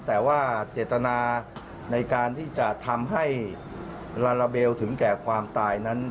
แต่ว่าเจตนาในการที่จะทำให้ลาลาเบลถึงแก่ความตายนั้น